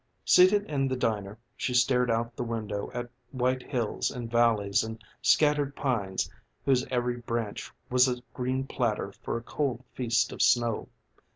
Seated in the diner she stared out the window at white hills and valleys and scattered pines whose every branch was a green platter for a cold feast of snow.